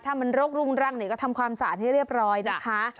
ถ้ามันโรครุ่งรังนี่ก็ทำความสะอาดให้เรียบร้อยนะคะ